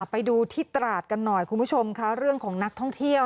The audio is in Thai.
ไปดูที่ตราดกันหน่อยคุณผู้ชมค่ะเรื่องของนักท่องเที่ยว